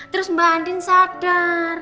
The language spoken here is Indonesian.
terus mbak andin sadar